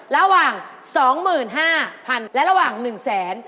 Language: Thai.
ระหว่าง๒๕๐๐๐บาทและระหว่าง๑๐๐๐๐๐บาท